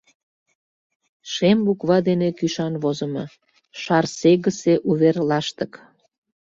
Шем буква дене кӱшан возымо: «Шарсегысе увер лаштык».